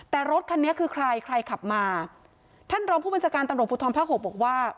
แต่รถคันนี้คือใครใครขับมาท่านรองผู้บัญชาการตำรวจภูทรภาคหกบอกว่า